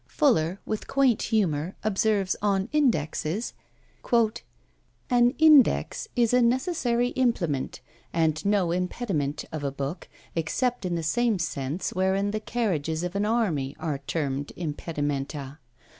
Fuller with quaint humour observes on INDEXES "An INDEX is a necessary implement, and no impediment of a book, except in the same sense wherein the carriages of an army are termed Impedimenta.